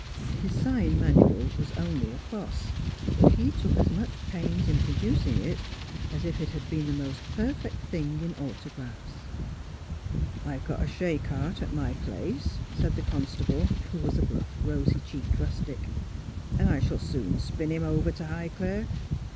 His sign manual was only a cross, but he took as much pains in producing it as if it had been the most perfect thing in autographs. ' I've got a shay cart at my place,' said the constable, who was a bluff, rosy cheeked rustic, ' and I shall soon spin him over to Highclere.